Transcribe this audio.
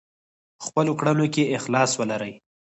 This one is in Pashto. په خپلو کړنو کې اخلاص ولرئ.